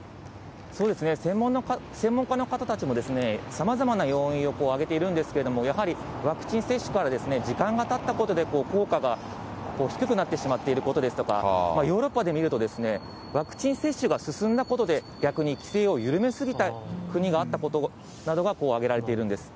専門家の方たちも、さまざまな要因を挙げているんですけれども、やはりワクチン接種から時間がたったことで効果が低くなってしまっていることですとか、ヨーロッパで見ると、ワクチン接種が進んだことで、逆に規制を緩め過ぎた国があったことなどが挙げられているんです。